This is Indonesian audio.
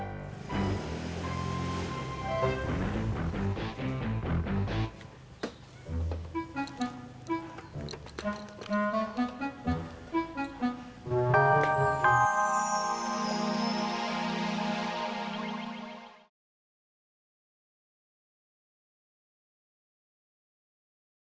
sampai jumpa lagi